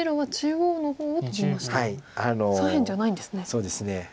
そうですね。